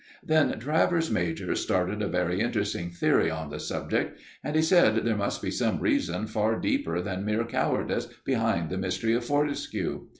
Then Travers major started a very interesting theory on the subject, and he said there must be some reason far deeper than mere cowardice behind the mystery of Fortescue.